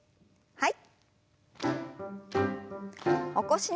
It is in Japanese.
はい。